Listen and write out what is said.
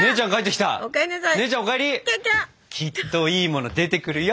きっといいもの出てくるよ。